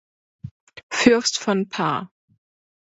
Fürst von Paar.